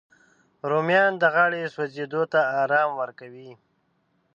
رومیان د غاړې سوځېدو ته ارام ورکوي